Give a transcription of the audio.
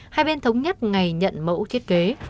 hai bên thống nhất ngày nhận mẫu thiết kế